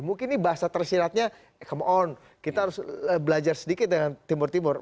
mungkin ini bahasa tersiratnya come on kita harus belajar sedikit dengan timur timur